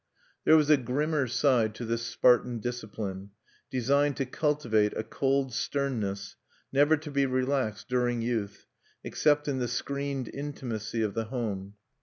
There was a grimmer side to this Spartan discipline, designed to cultivate a cold sternness never to be relaxed during youth, except in the screened intimacy of the home.